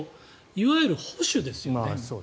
いわゆる保守ですよね。